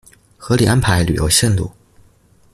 合理安排旅游线路